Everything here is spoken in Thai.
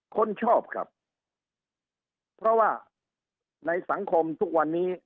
คนชอบครับเพราะว่าในสังคมทุกวันนี้